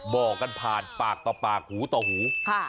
บอกกันผ่านปากต่อปากหูต่อหู